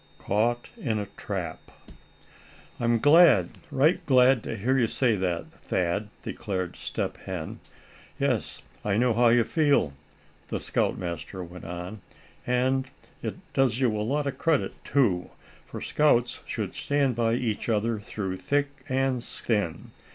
CAUGHT IN A TRAP. "I'm glad, right glad to hear you say that, Thad," declared Step Hen. "Yes, I know how you feel," the scoutmaster went on, "and it does you a lot of credit too, for scouts should stand by each other through thick and thin.